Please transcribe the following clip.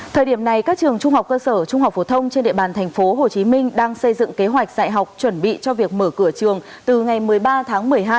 thời điểm này các trường trung học cơ sở trung học phổ thông trên địa bàn tp hcm đang xây dựng kế hoạch dạy học chuẩn bị cho việc mở cửa trường từ ngày một mươi ba tháng một mươi hai